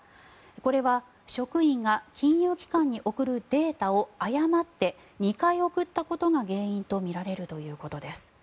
これは職員が金融機関に送るデータを誤って２回送ったことが原因とみられるということです。